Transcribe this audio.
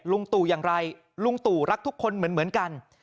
ลุงตู่อย่างไรลุงตู่รักทุกคนเหมือนกัน